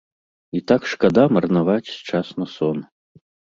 І так шкада марнаваць час на сон.